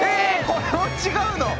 これも違うの⁉